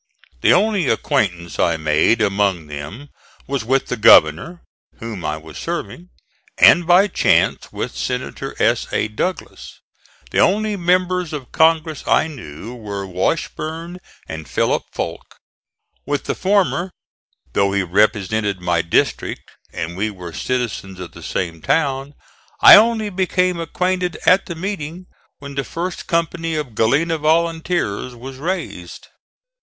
The only acquaintance I made among them was with the governor, whom I was serving, and, by chance, with Senator S. A. Douglas. The only members of Congress I knew were Washburne and Philip Foulk. With the former, though he represented my district and we were citizens of the same town, I only became acquainted at the meeting when the first company of Galena volunteers was raised.